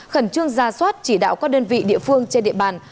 khẩn trương ra soát chỉ đạo các đơn vị địa phương trên địa bàn